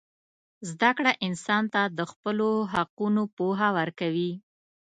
زدهکړه انسان ته د خپلو حقونو پوهه ورکوي.